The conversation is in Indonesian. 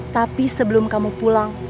tapi sebelum kamu pulang